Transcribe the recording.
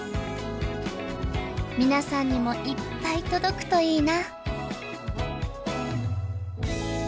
皆さんにもいっぱい届くといいな！